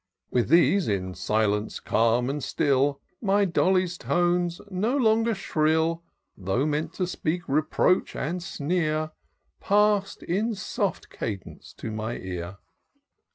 With these, in silence calm and still. My Dolly's tones, no longer shrill. Though meant to speak reproach and sneer, Pass'd in soft cadence to my ear.